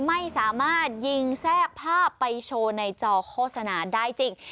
ไม่สามารถยิงแทรกภาพไปโชว์ในจอโฆษณาได้จริง